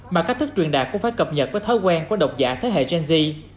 mà cách thức truyền đạt cũng phải cập nhật với thói quen của độc giả thế hệ gen z